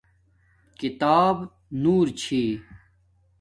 کتاب نور چھی